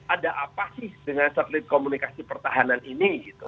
ada apa sih dengan setelit komunikasi pertahanan ini gitu